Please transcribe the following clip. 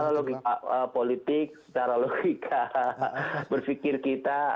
secara logika politik secara logika berfikir kita